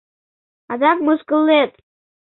Адак мыскылет!..